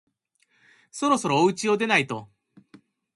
そろそろおうちを出ないと